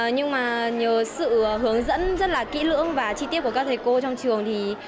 nhưng mà nhờ sự hướng dẫn rất là kỹ lưỡng và chi tiết của các thầy cô trong trường